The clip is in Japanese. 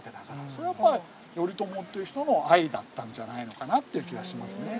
それはやっぱり頼朝という人の愛だったんじゃないのかなっていう気がしますね。